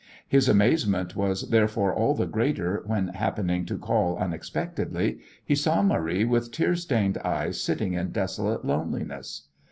His amazement was, therefore, all the greater when, happening to call unexpectedly, he saw Marie with tear stained eyes sitting in desolate loneliness.